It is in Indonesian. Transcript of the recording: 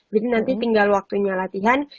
jadi nanti tinggal waktunya latihan